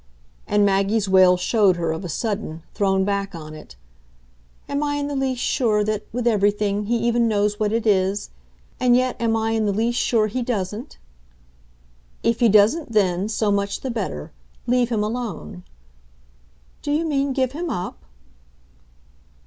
and Maggie's wail showed her, of a sudden, thrown back on it. "Am I in the least sure that, with everything, he even knows what it is? And yet am I in the least sure he doesn't?" "If he doesn't then, so much the better. Leave him alone." "Do you mean give him up?"